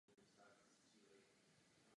Správním městem okresu je Anthony.